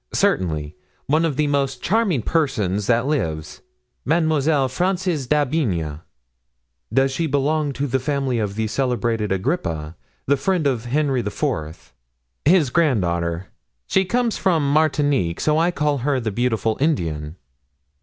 "Certainly; one of the most charming persons that lives—Mademoiselle Frances d'Aubigne." "Does she belong to the family of the celebrated Agrippa, the friend of Henry IV.?" "His granddaughter. She comes from Martinique, so I call her the beautiful Indian."